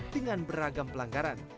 dengan beragam pelanggaran